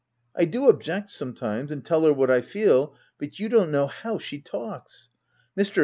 I do object sometimes, and tell her what I feel, but you don't know how she talks. Mr.